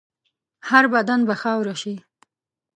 هر بدن به خاوره شي.